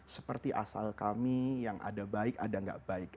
seperti asal kami yang ada baik ada nggak baik